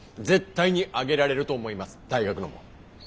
絶対に上げられると思います大学のも。